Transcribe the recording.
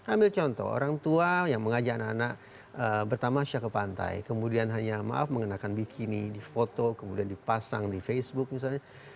ambil contoh orang tua yang mengajak anak anak bertamasya ke pantai kemudian hanya maaf mengenakan bikini di foto kemudian dipasang di facebook misalnya